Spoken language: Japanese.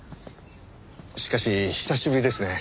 しかし久しぶりですね。